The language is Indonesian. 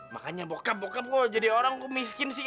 makanya bokap bokap kok jadi orang kok miskin sih